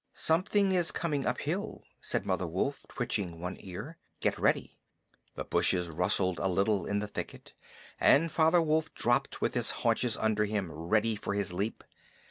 "Something is coming uphill," said Mother Wolf, twitching one ear. "Get ready." The bushes rustled a little in the thicket, and Father Wolf dropped with his haunches under him, ready for his leap.